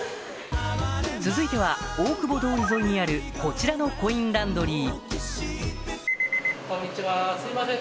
続いては大久保通り沿いにあるこちらのコインランドリーすいません